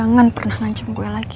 jangan pernah ngancam gue lagi